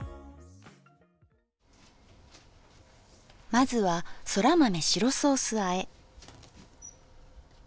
まずはそら豆白ソースあえ。